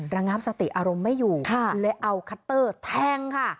ระงับสติอารมณ์ไม่อยู่เลยเอาคัตเตอร์แทงค่ะ